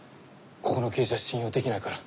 ここの刑事は信用できないから。